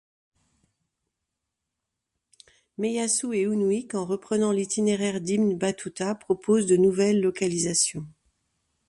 Meillassoux et Hunwick, en reprenant l'itinéraire d'Ibn Battuta, proposent de nouvelles localisations.